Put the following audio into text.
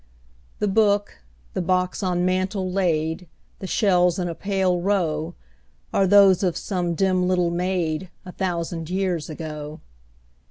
The book, the box on mantel laid, The shells in a pale row, Are those of some dim little maid, A thousand years ago.